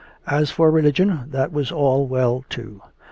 As for religion, that was all well too.